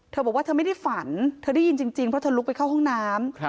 เธอบอกว่าเธอไม่ได้ฝันเธอได้ยินจริงเพราะเธอลุกไปเข้าห้องน้ำ